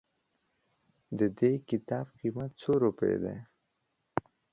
ددي کتاب قيمت څو روپئ ده